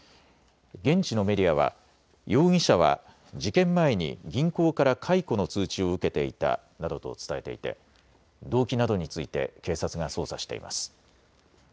現地のメディアは容疑者は事件前に銀行から解雇の通知を受けていたなどと伝えていて動機などについて警察が捜査しています。